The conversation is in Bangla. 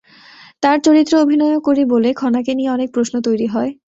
তাঁর চরিত্রে অভিনয়ও করি বলে, খনাকে নিয়ে অনেক প্রশ্ন তৈরি হয়।